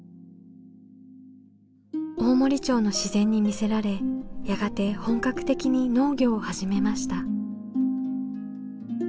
大森町の自然に魅せられやがて本格的に農業を始めました。